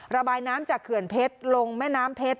ระบายน้ำจากเขื่อนเพชรลงแม่น้ำเพชร